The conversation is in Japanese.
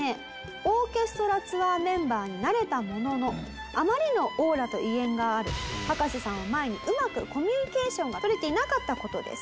オーケストラツアーメンバーになれたもののあまりのオーラと威厳がある葉加瀬さんを前にうまくコミュニケーションが取れていなかった事です。